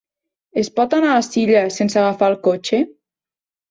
Es pot anar a Silla sense agafar el cotxe?